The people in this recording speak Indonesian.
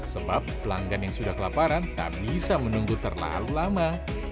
sebab pelanggan yang sudah kelaparan tak bisa menunggu terlalu lama